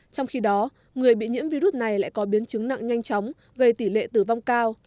trong khi đó người bị nhiễm virus này lại có biến chứng nặng nhanh chóng gây tỷ lệ tử vong cao